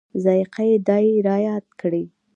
ذایقه یې دای رایاد کړي.